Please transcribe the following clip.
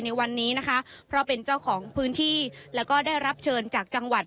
ในวันนี้นะคะเพราะเป็นเจ้าของพื้นที่แล้วก็ได้รับเชิญจากจังหวัด